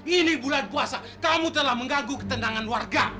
ini bulan puasa kamu telah mengganggu ketendangan warga